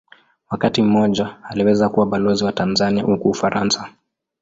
Wakati mmoja aliweza kuwa Balozi wa Tanzania huko Ufaransa.